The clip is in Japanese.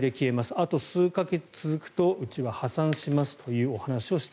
あと数か月続くとうちは破産しますというお話。